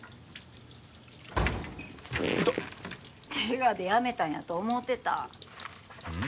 痛っケガでやめたんやと思うてたうん？